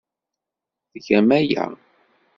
Tgam aya.